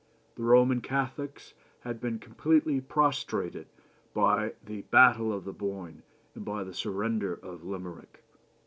The Roman Catholics had been completely prostrated by the battle of the Boyne and by the surrender of Limerick.